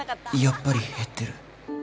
やっぱり減ってる